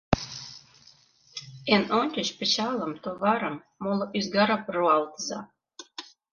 Эн ончыч пычалым, товарым, моло ӱзгарым руалтыза!..